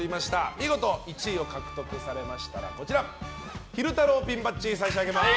見事１番を獲得されましたら昼太郎ピンバッジ差し上げます。